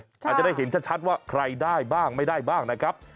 อาจจะได้เห็นชัดว่าใครได้บ้างไม่ได้บ้างนะครับ